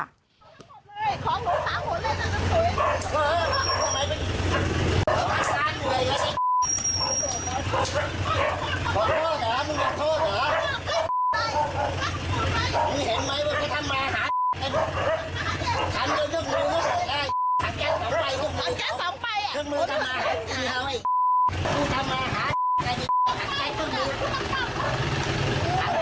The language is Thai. คุณเห็นไหมว่าเขาทำมาหาอ่ะเต็มให้ดึกมือหักแก๊สต่อไปของเขา